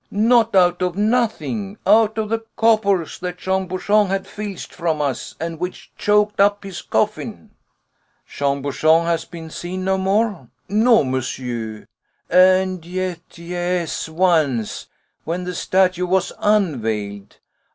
"Not out of nothing; out of the coppers that Jean Bouchon had filched from us, and which choked up his coffin." "Jean Bouchon has been seen no more?" "No, monsieur. And yet yes, once, when the statue was unveiled.